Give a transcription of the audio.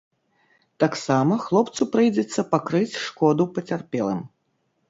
Таксама хлопцу прыйдзецца пакрыць шкоду пацярпелым.